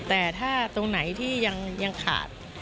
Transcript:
แต่ถ้าตรงไหนที่ยังขาด